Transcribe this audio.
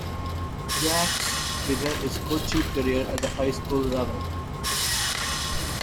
Duax began his coaching career at the high school level.